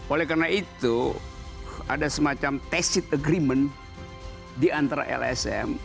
oleh karena itu ada semacam tacit agreement diantara lsm